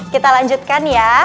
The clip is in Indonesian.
kita lanjutkan ya